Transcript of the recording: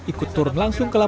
ikut turun langsung ke lapangan